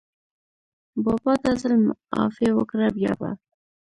بابا دا ځل معافي وکړه، بیا به …